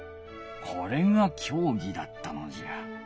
これがきょうぎだったのじゃ。